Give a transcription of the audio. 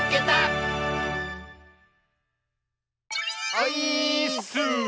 オイーッス！